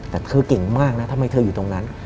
แต่เธอเก่งมากนะทำไมเธออยู่ตรงนั้น